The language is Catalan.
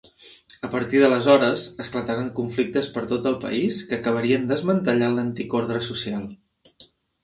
A partir d'aleshores, esclataren conflictes per tot el país que acabarien desmantellant l'antic ordre social.